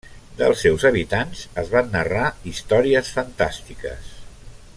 Dels seus habitants es van narrar històries fantàstiques.